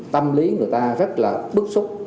tâm lý người ta rất là bức xúc